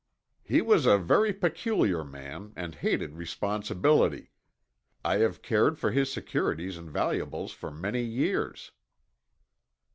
"He was a very peculiar man and hated responsibility. I have cared for his securities and valuables for many years."